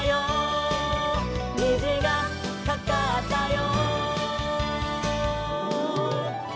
「にじがかかったよ」